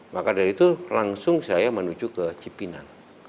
maka dari itu langsung saya menuju ke cipinang